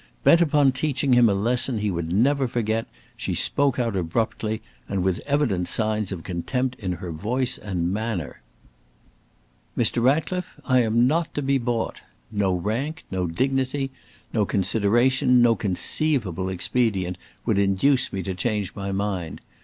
Bent upon teaching him a lesson he would never forget, she spoke out abruptly, and with evident signs of contempt in her voice and manner: "Mr. Ratcliffe, I am not to be bought. No rank, no dignity, no consideration, no conceivable expedient would induce me to change my mind.